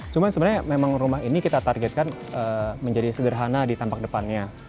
cuma sebenarnya memang rumah ini kita targetkan menjadi sederhana di tampak depannya